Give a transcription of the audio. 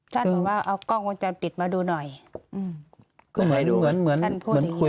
เจ้าบอกว่าร้องวงจรปิดมาดูหน่อย